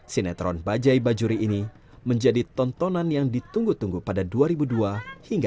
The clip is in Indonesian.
sinetron bajaj bajuri ini menjadi tontonan yang ditunggu tunggu pada dua ribu dua hingga dua ribu tujuh